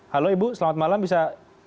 halo ibu selamat malam bisa